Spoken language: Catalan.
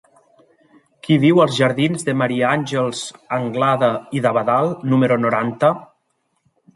Qui viu als jardins de Maria Àngels Anglada i d'Abadal número noranta?